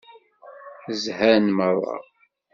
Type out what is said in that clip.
Zhan meṛṛa.